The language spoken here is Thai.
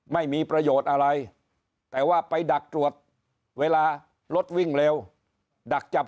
ไม่มีประโยชน์อะไรแต่ว่าไปดักตรวจเวลารถวิ่งเร็วดักจับ